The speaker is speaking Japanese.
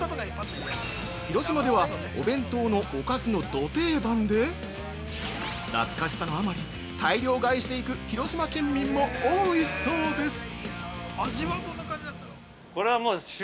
広島では、お弁当のおかずのド定番でなつかしさのあまり大量買いしていく広島県民も多いそうです。